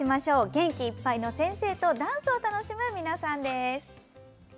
元気いっぱいの先生とダンスを楽しむ皆さんです。